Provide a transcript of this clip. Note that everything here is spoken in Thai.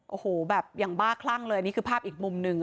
โอ้โหแบบอย่างบ้าคลั่งเลยอันนี้คือภาพอีกมุมหนึ่ง